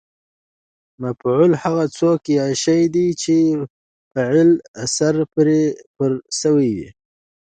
مفعول هغه څوک یا شی دئ، چي د فعل اثر پر سوی يي.